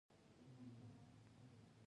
کلي د اجتماعي جوړښت یوه مهمه برخه ده.